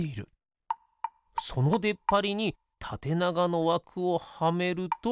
そのでっぱりにたてながのわくをはめると。